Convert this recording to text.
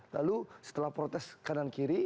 lalu setelah protes kanan kiri